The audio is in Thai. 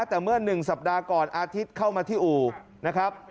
แต่เมื่อ๑สัปดาห์ก่อนอาทิตย์เข้ามาที่อู่นะครับ